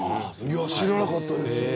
知らなかったです。